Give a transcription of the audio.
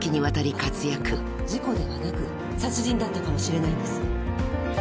「事故ではなく殺人だったかもしれないんです」